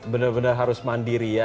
benar benar harus mandiri ya